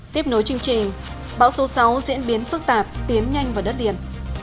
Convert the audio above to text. tiếp nối chương trình bão số sáu diễn biến phức tạp tiến nhanh vào đất liền